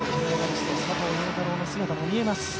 このチームには金メダリスト佐藤陽太郎の姿も見えます。